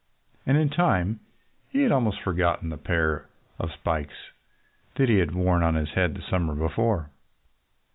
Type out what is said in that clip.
And in time he had almost forgotten the pair of spikes that he had worn on his head the summer before.